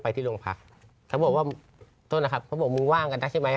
ที่โรงพักเขาบอกว่าต้นนะครับเขาบอกมึงว่างกันได้ใช่ไหม